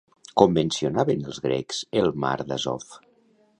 Com mencionaven els grecs el mar d'Azov?